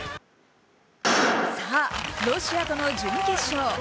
さあ、ロシアとの準決勝。